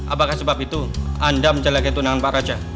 apakah sebab itu anda menjelekan tunangan pak raja